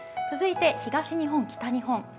続いて東日本、北日本。